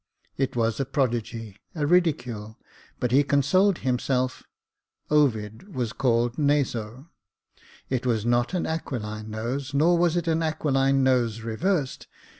It was a prodigy — a ridicule j but he consoled himself — Ovid was called Naso. It was not an aquiline nose, nor was it an aquiline nose reversed.